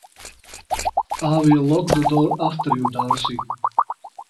I will lock the door after you, Darcy.